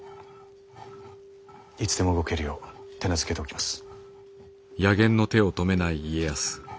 いつでも動けるよう手なずけておきます。